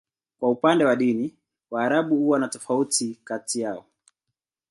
Kwa upande wa dini, Waarabu huwa na tofauti kati yao.